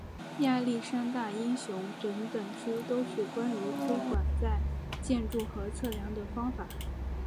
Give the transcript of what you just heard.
亚历山大英雄整本书都是关于窥管用在建筑和测量的方法。